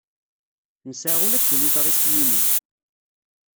Nesɛa ula d tiliẓri s yini.